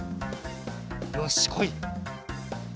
よしこい！